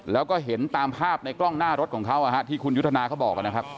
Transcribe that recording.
แล้วก็เห็นตามภาพในกล้องหน้ารถของเขาที่คุณยุทธนาเขาบอกนะครับ